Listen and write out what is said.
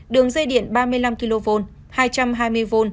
đường dây điện ba mươi năm kv hai trăm hai mươi v